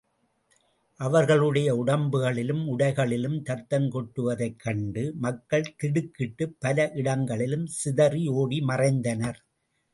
அவர்களுடைய உடம்புகளிலும் உடைகளிலும் ரத்தம் கொட்டுவதைக் கண்டு மக்கள் திடுக்கிட்டுப் பல இடங்களிலும் சிதறி ஓடி மறைந்தனர்.